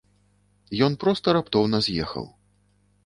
Ён проста раптоўна з'ехаў.